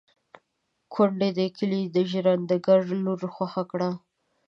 کونډې د کلي د ژرنده ګړي لور خوښه کړه.